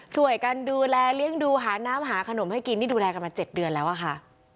ช่วยกันดูแลเลี้ยงดูหาน้ำหาขนมให้กินนี่ดูแลกันมา๗เดือนแล้วอะค่ะ